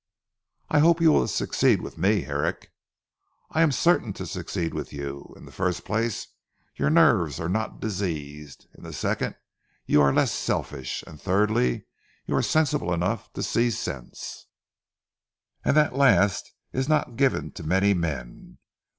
"I hope you will succeed with me Herrick." "I am certain to succeed with you. In the first place your nerves are not diseased: in the second you are less selfish, and thirdly you are sensible enough to see sense and that last is not given to many men.